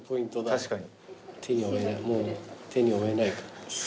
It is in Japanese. ［確かに］